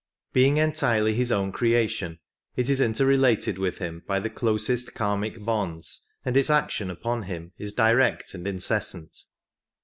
Being entirely his own creation, it is inter related with him by the closest karmic bonds, and its action upon him is direct and incessant.